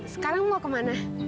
sekarang mau kemana